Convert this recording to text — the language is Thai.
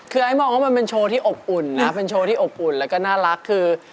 คือไอ้มองว่ามันเป็นโชว์ที่อบอุ่นนะเป็นโชว์ที่อบอุ่นแล้วก็น่ารักคือ